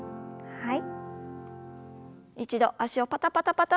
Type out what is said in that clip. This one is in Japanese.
はい。